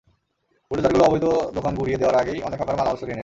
বুলডোজারগুলো অবৈধ দোকান গুঁড়িয়ে দেওয়ার আগেই অনেক হকার মালামাল সরিয়ে নেন।